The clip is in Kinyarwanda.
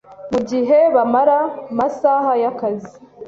mu gihe bamara masaha y’akazi